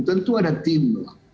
tentu ada tim